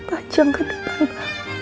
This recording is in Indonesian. bajang ke depan pak